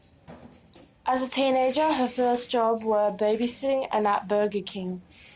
As a teenager, her first jobs were babysitting and at Burger King.